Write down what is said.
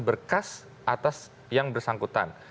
berkas atas yang bersangkutan